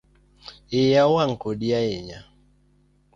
Iya owang kodi ahinya